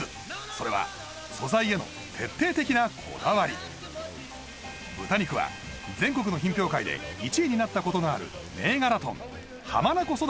それは素材への徹底的なこだわり豚肉は全国の品評会で１位になったことのある銘柄豚浜名湖そ